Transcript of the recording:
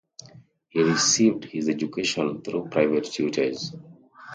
He received his education through private tutors.